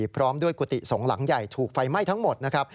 พร้อมด้วยกุฏิสงฆ์หลังใหญ่ถูกไฟไหม้ทั้งหมดนะครับ